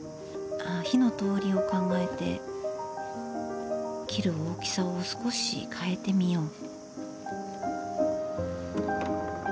ああ、火の通りを考えて切る大きさを少し変えてみよう。